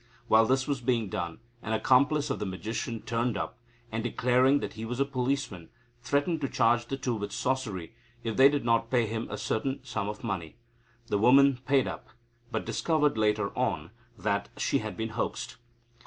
While this was being done, an accomplice of the magician turned up, and, declaring that he was a policeman, threatened to charge the two with sorcery if they did not pay him a certain sum of money. The woman paid up, but discovered later on that she had been hoaxed.